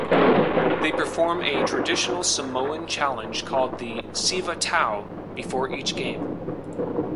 They perform a traditional Samoan challenge called the siva tau before each game.